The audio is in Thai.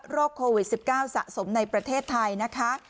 โควิด๑๙สะสมในประเทศไทยนะคะ